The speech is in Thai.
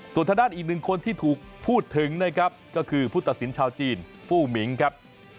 ส่วนทางด้านอีกหนึ่งคนที่ถูกพูดถึงนะครับก็คือผู้ตัดสินชาวจีนฟู้มิงครับ